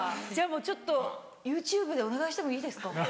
ちょっとＹｏｕＴｕｂｅでお願いしてもいいですか？